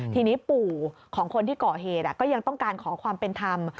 ทีนี้ปู่ของคนที่ก่อเหตุก็ยังต้องการขอความเป็นธรรม